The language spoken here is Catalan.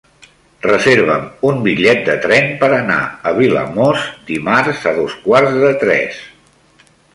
Reserva'm un bitllet de tren per anar a Vilamòs dimarts a dos quarts de tres.